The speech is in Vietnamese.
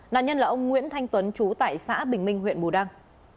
nạn nhân là ông nguyễn thanh tuấn chú tại xã bình minh huyện bù đăng